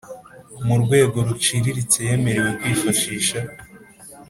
Mu rwego ruciriritse yemerewe kwifashisha